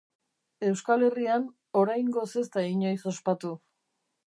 Euskal Herrian oraingoz ez da inoiz ospatu.